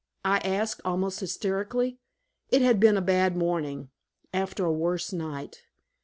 I asked, almost hysterically. It had been a bad morning, after a worse night.